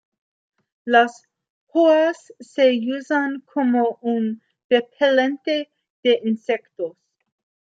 Las hojas se usan como un repelente de insectos.